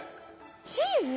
チーズ？